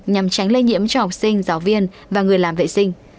nhằm tránh lây nhiễm cho học sinh giáo viên và người làm vệ sinh